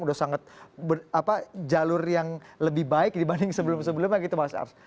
sudah sangat jalur yang lebih baik dibanding sebelum sebelumnya gitu mas ars